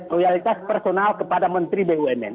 loyalitas personal kepada menteri bumn